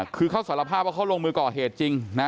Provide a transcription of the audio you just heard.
คือเขาสารภาพว่าเขาลงมือก่อเหตุจริงนะ